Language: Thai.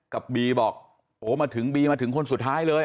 บีบอกโอ้มาถึงบีมาถึงคนสุดท้ายเลย